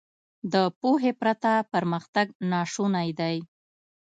• د پوهې پرته پرمختګ ناشونی دی.